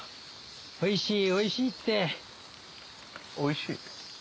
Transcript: おいしいおいしいって。おいしい？